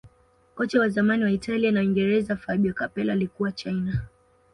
kocha wa zamani wa italia na uingereza fabio capello alikuwa china